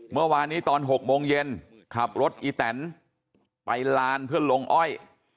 เมื่อวานนี้ตอน๖โมงเย็นขับรถอีแตนไปลานเพื่อลงอ้อย